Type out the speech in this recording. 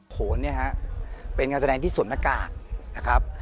โขลเป็นการแสดงที่ส่วนหน้ากาก